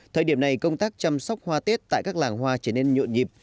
thời điểm này công tác chăm sóc hoa tết tại các làng hoa trở nên nhộn nhịp